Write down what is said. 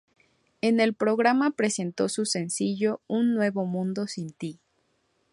En el programa presentó su sencillo "Un nuevo mundo sin ti".